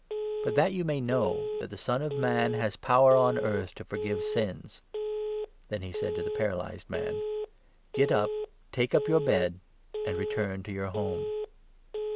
But, that you may know that the Son 6 of Man has power on earth to forgive sins "— then he said to the paralyzed man —" Get up, take up your bed, and return to your home."